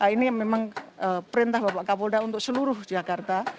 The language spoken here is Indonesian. ini memang perintah bapak kapolda untuk seluruh jakarta